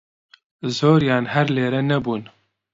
زۆریان هەر لێرە نەبوون